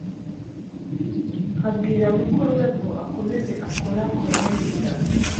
nkabwira mukuru we ngo akomeze akorakore inda